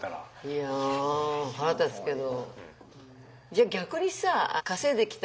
いや腹立つけど。